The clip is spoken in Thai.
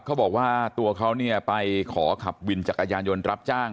เขาบอกว่าตัวเขาเนี่ยไปขอขับวินจักรยานยนต์รับจ้าง